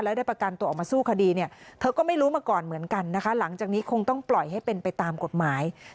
ตามกฎหมายค่ะ